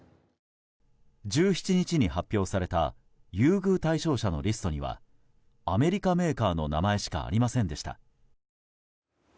１７日に発表された優遇対象車のリストにはアメリカメーカーの名前しかありませんでした。